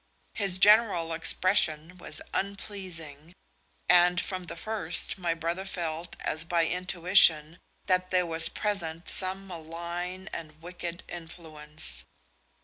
His general expression was unpleasing, and from the first my brother felt as by intuition that there was present some malign and wicked influence.